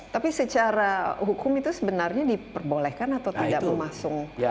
tapi secara hukum itu sebenarnya diperbolehkan atau tidak memasung